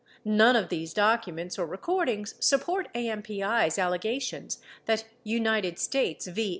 None of these documents or recordings support AMPI's allegations that United States v.